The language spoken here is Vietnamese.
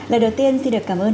lời đầu tiên xin được cảm ơn